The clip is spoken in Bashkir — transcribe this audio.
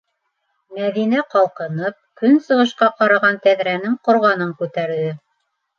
Мәҙинә ҡалҡынып көнсығышҡа ҡараған тәҙрәнең ҡорғанын күтәрҙе.